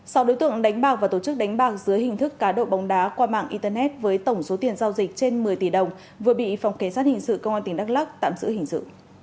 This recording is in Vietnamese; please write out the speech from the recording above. sau đối tượng đánh bạc và tổ chức đánh bạc dưới hình thức cá độ bóng đá qua mạng internet với tổng số tiền giao dịch trên một mươi tỷ đồng vừa bị phòng kế sát hình sự công an tỉnh đắk lắk tạm giữ hình sự